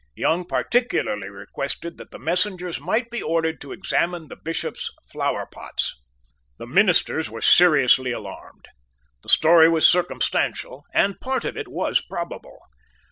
Young particularly requested that the messengers might be ordered to examine the Bishop's flowerpots. The ministers were seriously alarmed. The story was circumstantial; and part of it was probable.